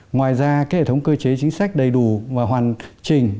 ngoài ra cái hệ thống cơ chế chính xác đầy đủ và hoàn trình